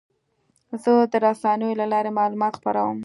زه د رسنیو له لارې معلومات خپروم.